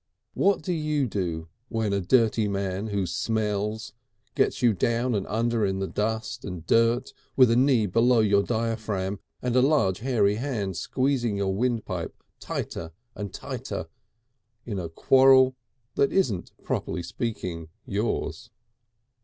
What do you do when a dirty man who smells, gets you down and under in the dirt and dust with a knee below your diaphragm and a large hairy hand squeezing your windpipe tighter and tighter in a quarrel that isn't, properly speaking, yours?